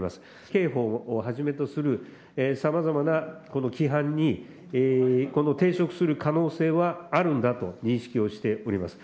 刑法をはじめとするさまざまな規範にこの抵触する可能性はあるんだと、認識をしております。